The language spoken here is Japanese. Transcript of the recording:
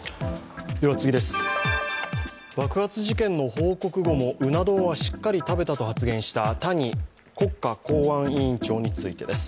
爆発事件の報告後もうな丼はしっかり食べたと発言した谷国家公安委員長についてです。